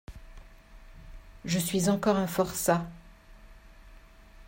Je suis encore un forçat.